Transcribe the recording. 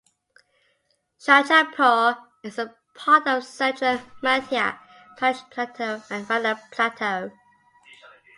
Shajapur is a part of central Madhya Pradesh plateau and Ratlam plateau.